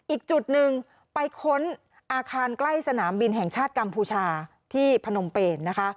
อีกจุดหนึ่งไปค้นอาคารใกล้สนามบินแห่งชาติกัมพูชาที่พนมเปนนะคะ